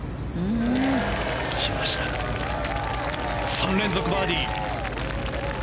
３連続バーディー！